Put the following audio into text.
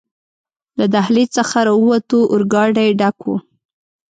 له دهلېز څخه راووتو، اورګاډی ډک و.